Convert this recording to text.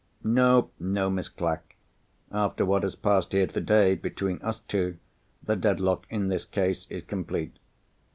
No, no, Miss Clack! After what has passed here today, between us two, the dead lock, in this case, is complete.